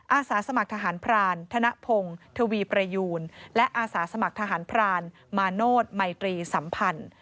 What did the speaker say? อาสาสมัครทหารพรานธนพงศ์ทวีประยูนและอาสาสมัครทหารพรานมาโนธมัยตรีสัมพันธ์